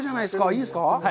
いいですか？